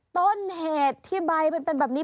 ต้นเหตุที่ใบมันเป็นแบบนี้